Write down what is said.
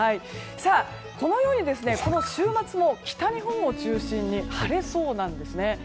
このように週末も北日本を中心に晴れそうなんですね。